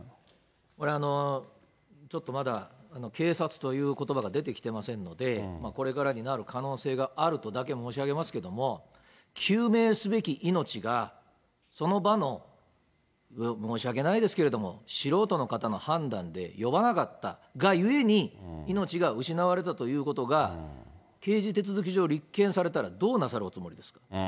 これちょっとまだ警察ということばが出てきてませんので、これからになる可能性があるとだけ申し上げますけども、救命すべき命が、その場の申し訳ないですけど、素人の方の判断で呼ばなかったがゆえに、命が失われたということが、刑事手続き上立件されたらどうなさるおつもりですか。